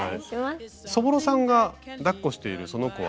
そぼろさんがだっこしているその子は？